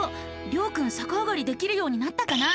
りょうくんさかあがりできるようになったかな？